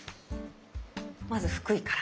まず福井から。